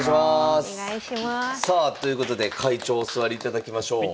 さあということで会長お座りいただきましょう。